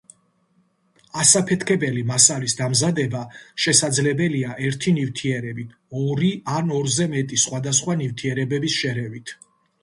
ასაფეთქებელი მასალის დამზადება შესაძლებელია ერთი ნივთიერებით, ორი ან ორზე მეტი სხვადასხვა ნივთიერებების შერევით.